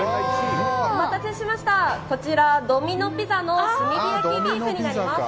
お待たせしましたこちら、ドミノ・ピザの炭火焼ビーフになります。